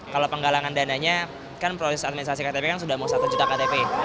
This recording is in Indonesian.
kalau penggalangan dananya kan proses administrasi ktp kan sudah mau satu juta ktp